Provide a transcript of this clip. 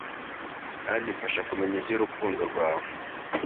kandi mfasha kumenya iby urukundo rwawe